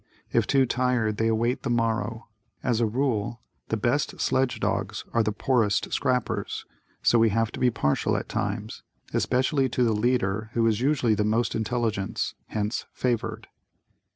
If too tired, they await the morrow. As a rule, the best sledge dogs are the poorest scrappers (so we have to be partial at times) especially to the leader who is usually the most intelligent; hence favored.